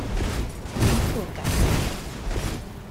逼迫改革